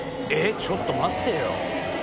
ちょっと待ってよ。